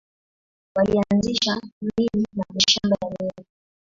Walianzisha miji na mashamba ya miwa.